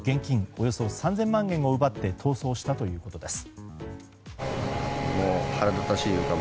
およそ３０００万円を奪って逃走したということです。